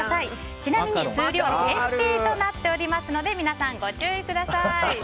ちなみに数量限定となっておりますので皆さん、ご注意ください。